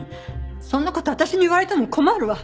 そんな事私に言われても困るわ。